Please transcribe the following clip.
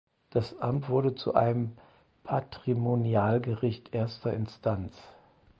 Das Amt wurde zu einem Patrimonialgericht erster Instanz.